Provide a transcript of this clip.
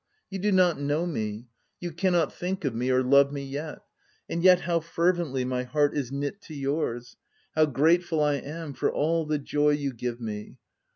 you do not know me ; you cannot think of me or love me yet ; and yet how fer vently my heart is knit to yours ; how grateful I am for all the joy you give me